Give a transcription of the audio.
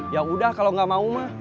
ya udah kalau gak mau mah